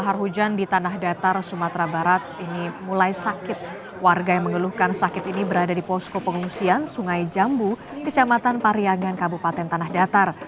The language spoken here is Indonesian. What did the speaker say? har hujan di tanah datar sumatera barat ini mulai sakit warga yang mengeluhkan sakit ini berada di posko pengungsian sungai jambu kecamatan pariagan kabupaten tanah datar